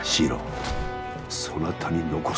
そなたに残す。